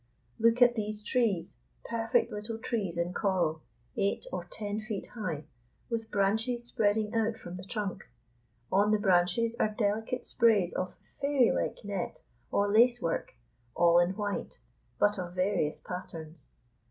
Look at these trees, perfect little trees in coral, eight or ten feet high, with branches spreading out from the trunk. On the branches are delicate sprays of fairylike net or lace work, all in white, but of various patterns.